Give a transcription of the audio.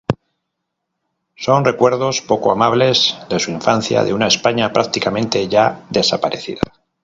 Son recuerdos poco amables de su infancia de una España prácticamente ya desaparecida.